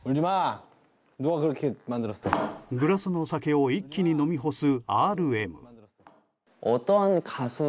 グラスの酒を一気に飲み干すＲＭ。